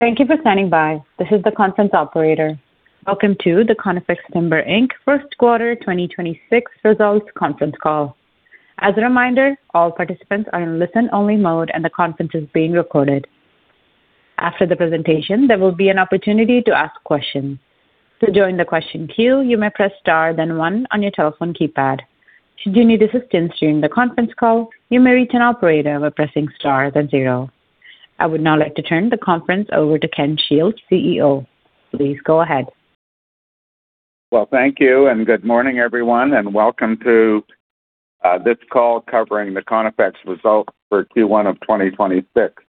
Thank you for standing by. This is the conference operator. Welcome to the Conifex Timber Inc First Quarter 2026 results conference call. As a reminder, all participants are in listen-only mode, and the conference is being recorded. After the presentation, there will be an opportunity to ask questions. To join the question queue, you may press star, then one on your telephone keypad. Should you need assistance during the conference call, you may reach an operator by pressing star, then zero. I would now like to turn the conference over to Ken Shields, CEO. Please go ahead. Well, thank you, and good morning, everyone, and welcome to this call covering the Conifex results for Q1 of 2026.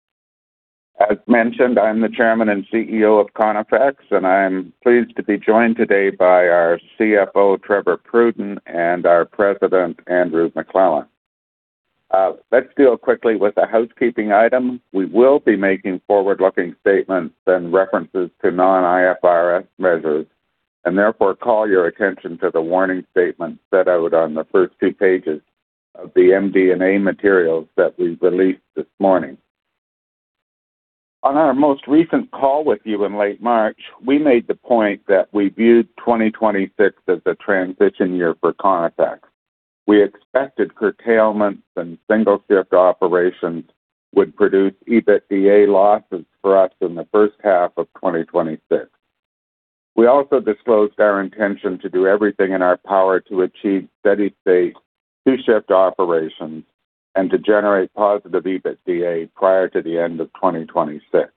As mentioned, I'm the Chairman and CEO of Conifex, and I'm pleased to be joined today by our CFO, Trevor Pruden, and our President, Andrew McLellan. Let's deal quickly with the housekeeping item. We will be making forward-looking statements and references to non-IFRS measures and therefore call your attention to the warning statement set out on the first two pages of the MD&A materials that we released this morning. On our most recent call with you in late March, we made the point that we viewed 2026 as a transition year for Conifex. We expected curtailments and single shift operations would produce EBITDA losses for us in the first half of 2026. We also disclosed our intention to do everything in our power to achieve steady state two-shift operations and to generate positive EBITDA prior to the end of 2026.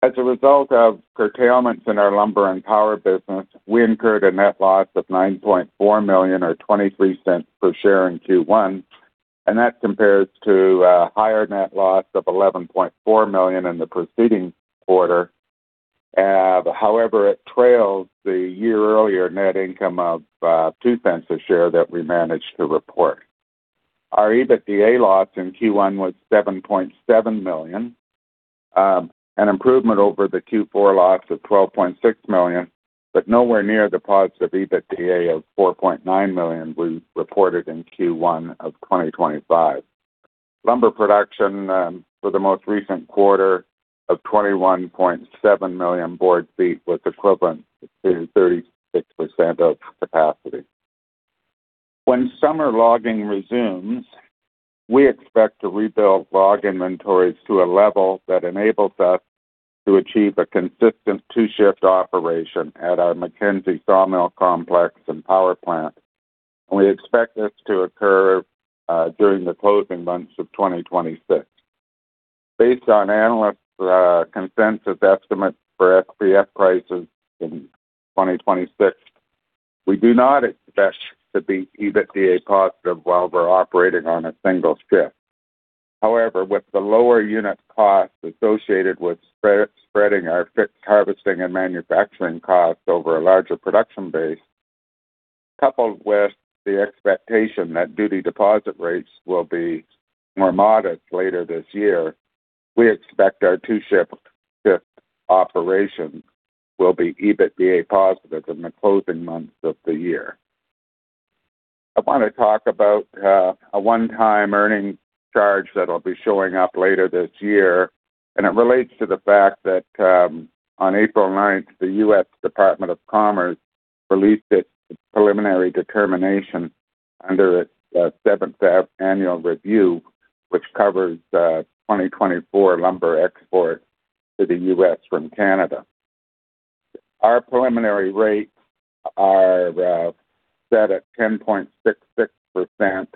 As a result of curtailments in our lumber and power business, we incurred a net loss of 9.4 million or 0.23 per share in Q1. That compares to a higher net loss of 11.4 million in the preceding quarter. However, it trails the year earlier net income of 0.02 a share that we managed to report. Our EBITDA loss in Q1 was 7.7 million, an improvement over the Q4 loss of 12.6 million, but nowhere near the positive EBITDA of 4.9 million we reported in Q1 of 2025. Lumber production for the most recent quarter of 21.7 million board feet was equivalent to 36% of capacity. When summer logging resumes, we expect to rebuild log inventories to a level that enables us to achieve a consistent two-shift operation at our Mackenzie sawmill complex and power plant. We expect this to occur during the closing months of 2026. Based on analyst consensus estimates for SPF prices in 2026, we do not expect to be EBITDA positive while we're operating on a single shift. However, with the lower unit cost associated with spreading our fixed harvesting and manufacturing costs over a larger production base, coupled with the expectation that duty deposit rates will be more modest later this year, we expect our two-shift operation will be EBITDA positive in the closing months of the year. I want to talk about a one-time earning charge that'll be showing up later this year, and it relates to the fact that on April 9th, the U.S. Department of Commerce released its preliminary determination under its seventh annual review, which covers 2024 lumber export to the U.S. from Canada. Our preliminary rates are set at 10.66%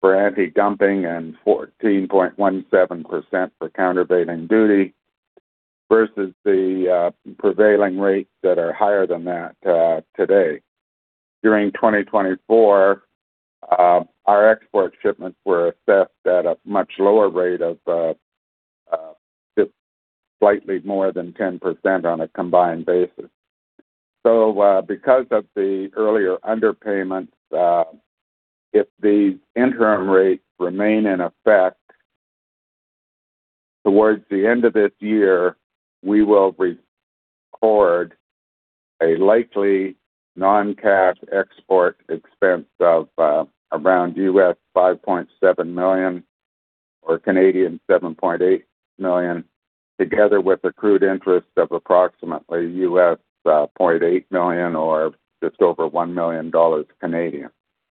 for anti-dumping and 14.17% for countervailing duty versus the prevailing rates that are higher than that today. During 2024, our export shipments were assessed at a much lower rate of just slightly more than 10% on a combined basis. Because of the earlier underpayments, if the interim rates remain in effect towards the end of this year, we will record a likely non-cash export expense of around $5.7 million or 7.8 million Canadian dollars, together with accrued interest of approximately $0.8 million or just over 1 million Canadian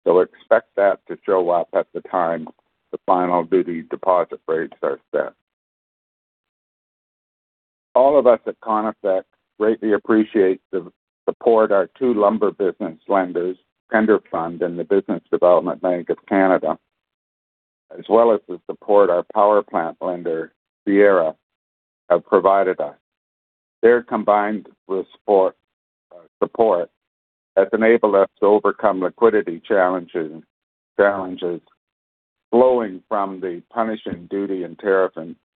dollars. Expect that to show up at the time the final duty deposit rates are set. All of us at Conifex greatly appreciate the support our two lumber business lenders, PenderFund and the Business Development Bank of Canada, as well as the support our power plant lender, Fierra, have provided us. Their combined with support has enabled us to overcome liquidity challenges flowing from the punishing duty and tariff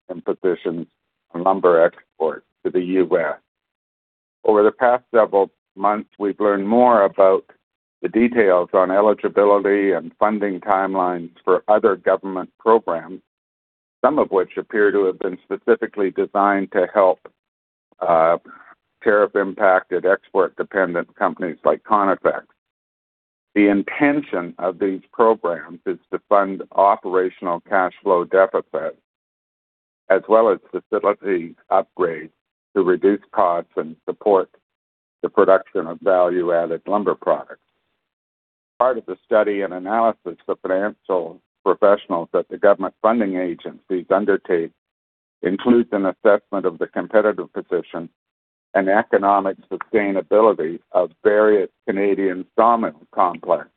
impositions on lumber exports to the U.S. Over the past several months, we've learned more about the details on eligibility and funding timelines for other government programs, some of which appear to have been specifically designed to help tariff-impacted export-dependent companies like Conifex. The intention of these programs is to fund operational cash flow deficits as well as facility upgrades to reduce costs and support the production of value-added lumber products. Part of the study and analysis of financial professionals that the government funding agencies undertake includes an assessment of the competitive position and economic sustainability of various Canadian sawmill complexes.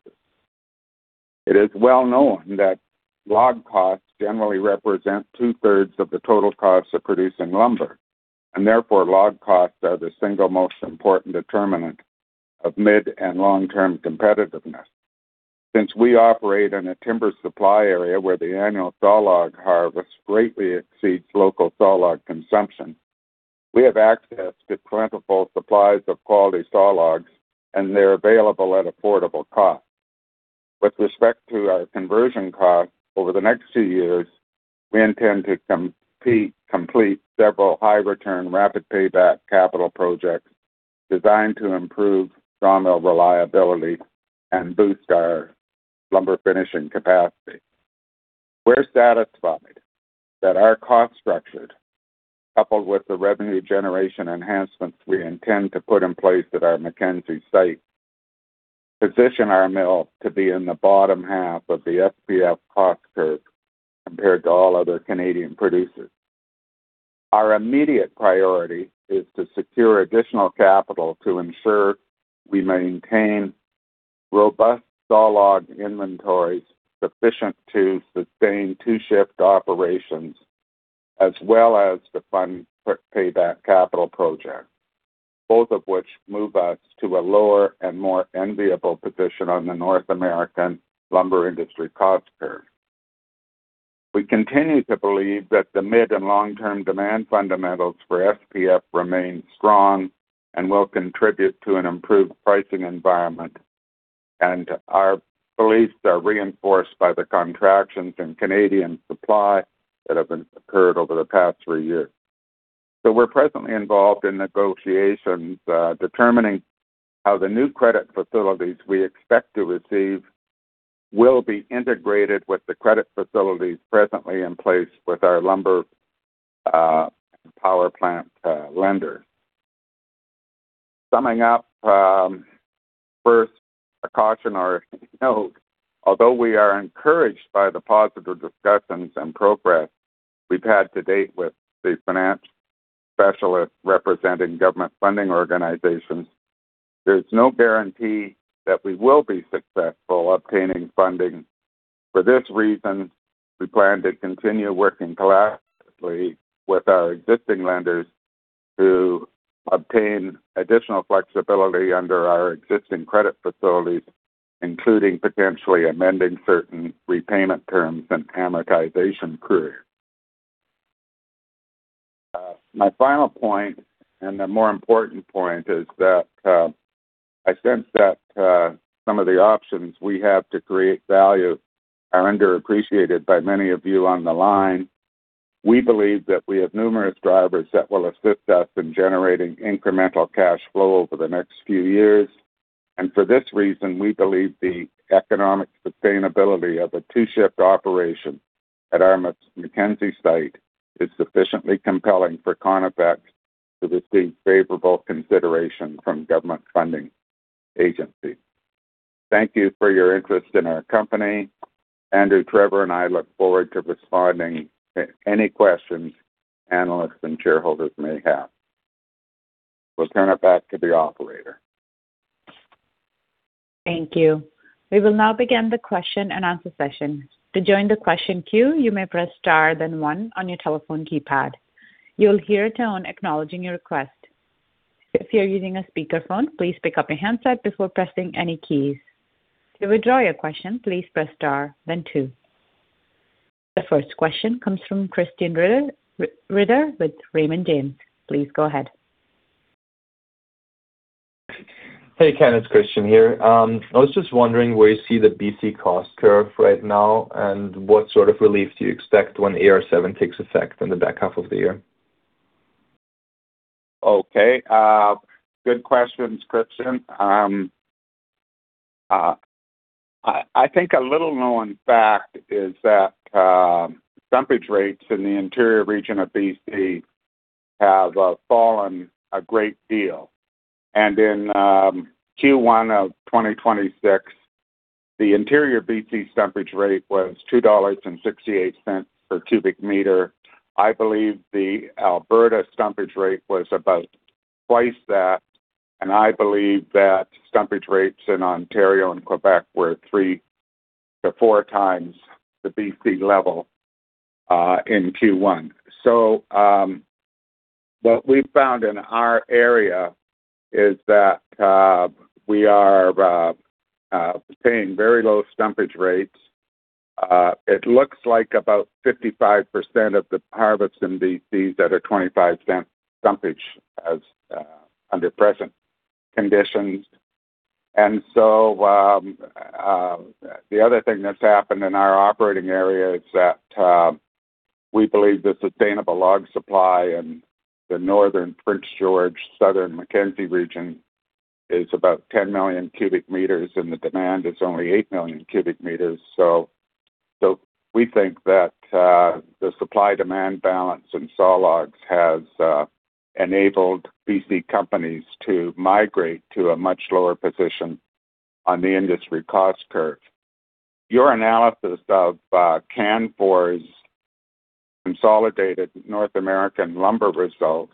It is well known that log costs generally represent 2/3 of the total costs of producing lumber, and therefore log costs are the single most important determinant of mid- and long-term competitiveness. Since we operate in a timber supply area where the annual sawlog harvest greatly exceeds local sawlog consumption, we have access to plentiful supplies of quality sawlogs, and they're available at affordable costs. With respect to our conversion costs, over the next few years, we intend to complete several high-return, rapid-payback capital projects designed to improve sawmill reliability and boost our lumber finishing capacity. We're satisfied that our cost structures, coupled with the revenue generation enhancements we intend to put in place at our Mackenzie site, position our mill to be in the bottom half of the SPF cost curve compared to all other Canadian producers. Our immediate priority is to secure additional capital to ensure we maintain robust sawlog inventories sufficient to sustain two-shift operations as well as to fund quick payback capital projects, both of which move us to a lower and more enviable position on the North American lumber industry cost curve. We continue to believe that the mid- and long-term demand fundamentals for SPF remain strong and will contribute to an improved pricing environment, and our beliefs are reinforced by the contractions in Canadian supply that have occurred over the past three years. We're presently involved in negotiations determining how the new credit facilities we expect to receive will be integrated with the credit facilities presently in place with our lumber power plant lender. Summing up, first a cautionary note. Although we are encouraged by the positive discussions and progress we've had to date with the financial specialists representing government funding organizations, there is no guarantee that we will be successful obtaining funding. For this reason, we plan to continue working collaboratively with our existing lenders to obtain additional flexibility under our existing credit facilities, including potentially amending certain repayment terms and amortization periods. My final point, and the more important point, is that I sense that some of the options we have to create value are underappreciated by many of you on the line. We believe that we have numerous drivers that will assist us in generating incremental cash flow over the next few years, and for this reason, we believe the economic sustainability of a two-shift operation at our Mackenzie site is sufficiently compelling for Conifex to receive favorable consideration from government funding agencies. Thank you for your interest in our company. Andrew, Trevor, and I look forward to responding to any questions analysts and shareholders may have. We'll turn it back to the operator. Thank you. We will now begin the question-and-answer session. To join the question queue, you may press star then one on your telephone keypad. You will hear a tone acknowledging your request. If you are using a speakerphone, please pick up your handset before pressing any keys. To withdraw your question, please press star then two. The first question comes from Christian Reiter with Raymond James. Please go ahead. Hey, Ken. It's Christian here. I was just wondering where you see the BC cost curve right now and what sort of relief do you expect when AR-7 takes effect in the back half of the year? Okay. Good questions, Christian. I think a little-known fact is that stumpage rates in the interior region of BC have fallen a great deal. In Q1 of 2026, the interior BC stumpage rate was 2.68 dollars per cubic meter. I believe the Alberta stumpage rate was about twice that, and I believe that stumpage rates in Ontario and Quebec were 3x to 4x the BC level in Q1. What we found in our area is that we are paying very low stumpage rates. It looks like about 55% of the harvests in BC that are 0.25 stumpage under present conditions. The other thing that's happened in our operating area is that we believe the sustainable log supply in the northern Prince George, southern Mackenzie region is about 10 million cubic meters, and the demand is only 8 million cubic meters. We think that the supply-demand balance in sawlogs has enabled BC companies to migrate to a much lower position on the industry cost curve. Your analysis of Canfor's consolidated North American lumber results,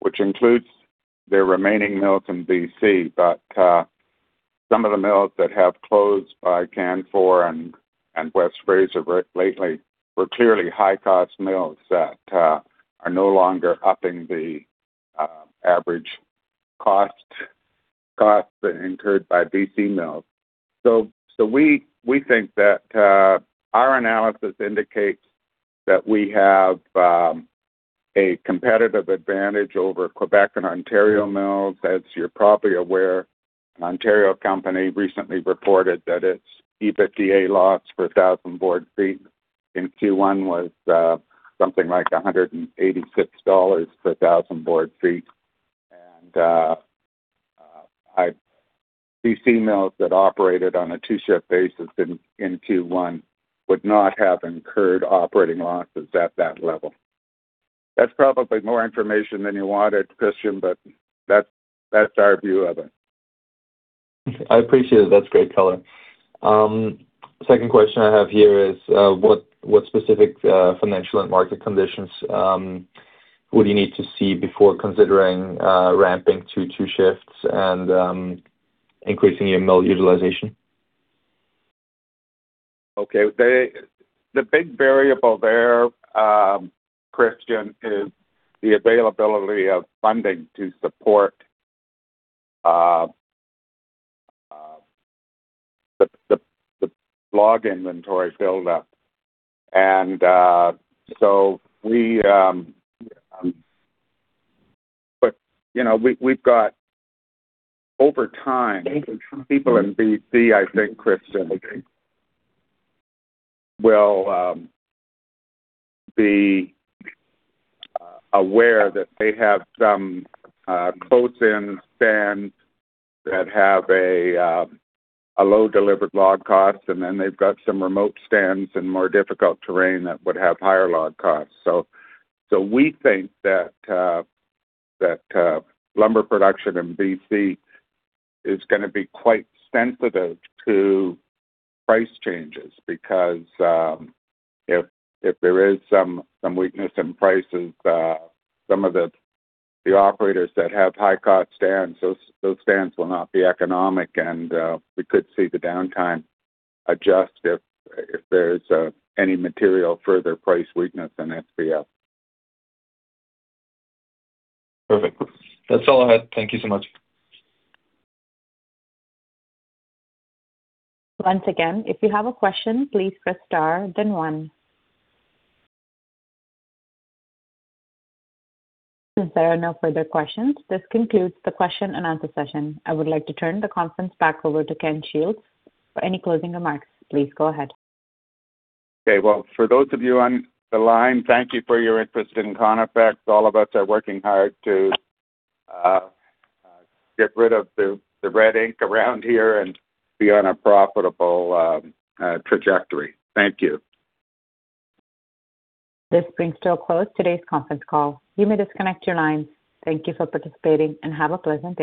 which includes their remaining mills in BC, but some of the mills that have closed by Canfor and West Fraser lately were clearly high-cost mills that are no longer upping the average costs incurred by BC mills. We think that our analysis indicates that we have a competitive advantage over Quebec and Ontario mills. As you're probably aware, an Ontario company recently reported that its EBITDA loss per thousand board feet in Q1 was something like CAD 186 per thousand board feet. BC mills that operated on a two-shift basis in Q1 would not have incurred operating losses at that level. That's probably more information than you wanted, Christian, but that's our view of it. I appreciate it. That's great color. Second question I have here is, what specific financial and market conditions would you need to see before considering ramping to two shifts and increasing your mill utilization? Okay. The big variable there, Christian, is the availability of funding to support the log inventory build-up. You know, we've got over time, people in BC, I think, Christian, will be aware that they have some close-in stands that have a low delivered log cost, and then they've got some remote stands in more difficult terrain that would have higher log costs. We think that lumber production in BC is gonna be quite sensitive to price changes because if there is some weakness in prices, some of the operators that have high-cost stands, those stands will not be economic. We could see the downtime adjust if there's any material further price weakness in SPF. Perfect. That's all I had. Thank you so much. Once again, if you have a question, please press star then one. Since there are no further questions, this concludes the question-and-answer session. I would like to turn the conference back over to Ken Shields for any closing remarks. Please go ahead. Okay. Well, for those of you on the line, thank you for your interest in Conifex. All of us are working hard to get rid of the red ink around here and be on a profitable trajectory. Thank you. This brings to a close today's conference call. You may disconnect your lines. Thank you for participating, and have a pleasant day.